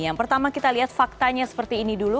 yang pertama kita lihat faktanya seperti ini dulu